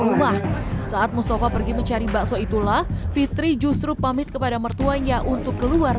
rumah saat mustafa pergi mencari bakso itulah fitri justru pamit kepada mertuanya untuk keluar